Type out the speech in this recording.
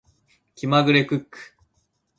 気まぐれクック